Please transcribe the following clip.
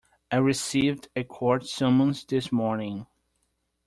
I received a court summons this morning.